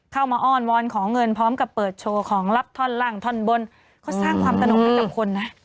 อ้อนวอนขอเงินพร้อมกับเปิดโชว์ของลับท่อนล่างท่อนบนเขาสร้างความสนุกให้กับคนนะ